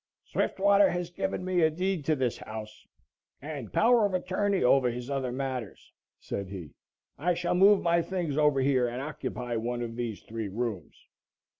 "Swiftwater has given me a deed to this house and power of attorney over his other matters," said he. "I shall move my things over here and occupy one of these three rooms."